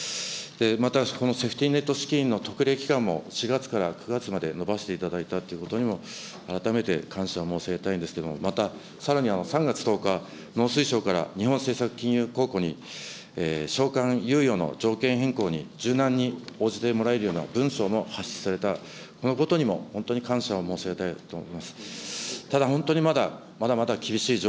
またこのセーフティネット資金の特例期間も、４月から９月まで延ばしていただいたということにも、改めて感謝を申し上げたいんですけれども、また、さらには３月１０日、農水省から日本政策金融公庫に、償還猶予の条件変更に柔軟に応じてもらえるような文書も発出された、このことにも本当に感謝を申し上げたいと思います。